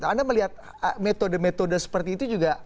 anda melihat metode metode seperti itu juga kurang gitu mas agus